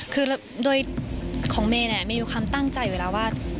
คือของเมนี่มีความตั้งใจไว้แล้วว่า